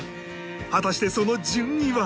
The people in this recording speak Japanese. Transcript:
果たしてその順位は？